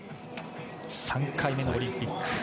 ３回目のオリンピック。